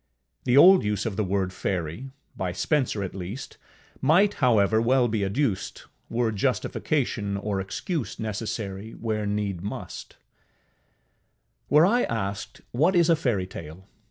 The old use of the word Fairy, by Spenser at least, might, however, well be adduced, were justification or excuse necessary where need must. Were I asked, what is a fairytale?